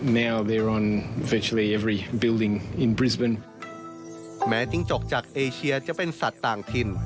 แม้จิ้งจกจากเอเชียจะเป็นสัตว์ต่างถิ่น